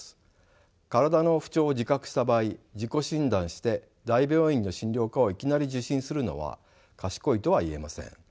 体の不調を自覚した場合自己診断して大病院の診療科をいきなり受診するのは賢いとは言えません。